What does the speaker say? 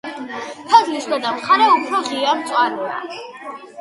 ფოთლის ქვედა მხარე უფრო ღია მწვანეა.